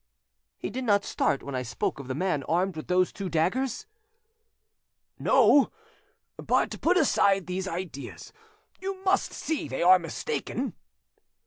"He did not start when I spoke of the man armed with those two daggers?" "No. But put aside these ideas; you must see they are mistaken."